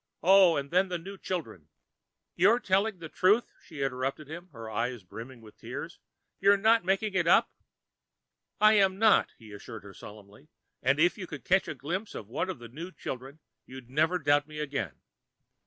Oh, and then the new children " "You're telling the truth?" she interrupted him, her eyes brimming with tears. "You're not making it up?" "I am not," he assured her solemnly. "And if you could catch a glimpse of one of the new children, you'd never doubt me again.